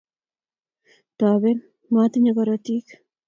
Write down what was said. toben, motinye korotik